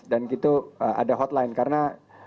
dan itu ada hotline karena